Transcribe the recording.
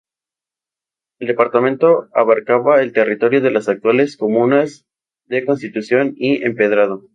El Departamento abarcaba el territorio de las actuales comunas de Constitución y Empedrado.